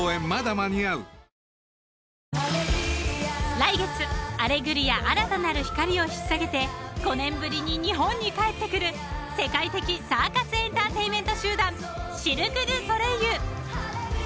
［来月『アレグリア−新たなる光−』を引っ提げて５年ぶりに日本に帰ってくる世界的サーカスエンターテインメント集団シルク・ドゥ・ソレイユ］